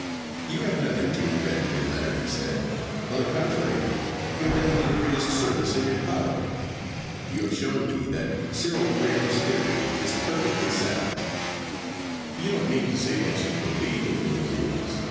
'You have nothing to regret in your letter,' he said. 'On the contrary, you have done me the greatest service in your power. You have shown me that Cyril Graham's theory is perfectly sound.' 'You don't mean to say that you believe in Willie Hughes?